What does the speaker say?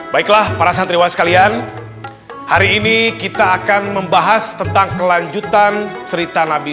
baiklah para santriwan sekalian hari ini kita akan membahas tentang kelanjutan cerita nabi